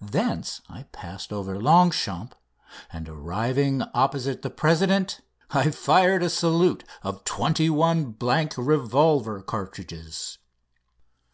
Thence I passed over Longchamps, and arriving opposite the president I fired a salute of twenty one blank revolver cartridges.